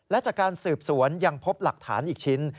และจากการสืบสวนยังพบหลักฐานอีกชิ้น